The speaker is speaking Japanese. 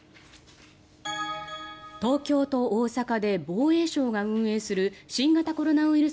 東京と大阪で防衛省が運営する新型コロナウイルス